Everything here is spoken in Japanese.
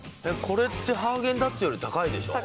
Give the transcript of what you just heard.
これってハーゲンダッツより高いでしょ？